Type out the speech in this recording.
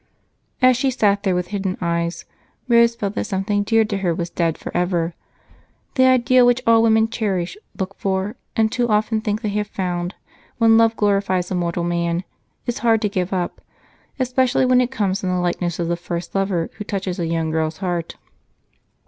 As she sat there with hidden eyes, Rose felt that something dear to her was dead forever. The ideal, which all women cherish, look for, and too often think they have found when love glorifies a mortal man, is hard to give up, especially when it comes in the likeness of the first lover who touches a young girl's heart.